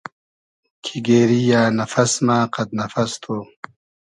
کی گېری یۂ نئفئس مۂ قئد نئفئس تو